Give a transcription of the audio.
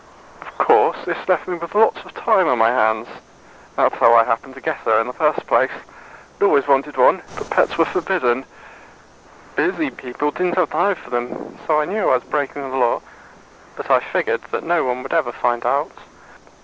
Of course, this left me with lots of time on my hands. That's how I happened to get her in the first place. I'd always wanted one, but pets were forbidden. Busy people didn't have time for them. So I knew I was breaking the Law. But I figured that no one would ever find out.